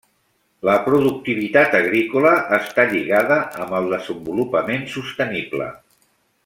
La productivitat agrícola està lligada amb el desenvolupament sostenible.